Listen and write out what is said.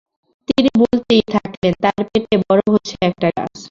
তিনি বলতেই থাকলেন, তাঁর পেটে বড় হচ্ছে একটা গাছ।